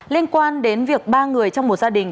liên quan đến việc ba người trong một gia đình